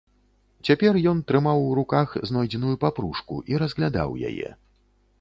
Цяпер ён трымаў у руках знойдзеную папружку і разглядаў яе.